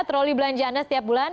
troli belanja anda setiap bulan